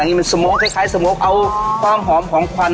ตรงนี้มันสโม้คอคล้ายสโม้คเอาความหอมของขวาน